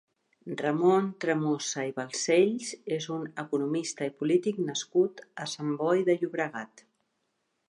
Ramon Tremosa i Balcells és un economista i polític nascut a Sant Boi de Llobregat.